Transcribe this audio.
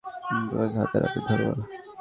আমি তোমাকে হাতেনাতে ধরব।